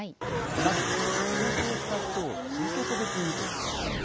まず投票した人を支持政党別に見てみます。